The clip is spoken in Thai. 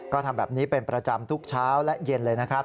ก็ทำแบบนี้เป็นประจำทุกเช้าและเย็นเลยนะครับ